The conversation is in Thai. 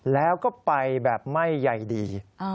แล้วก็ไปแบบไม่ใยดี